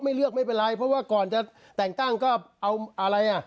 เลือกไม่เป็นไรเพราะว่าก่อนจะแต่งตั้งก็เอาอะไรอ่ะ